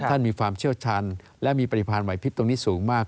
มีความเชี่ยวชันและมีปริมาณไหวพิษตรงนี้สูงมาก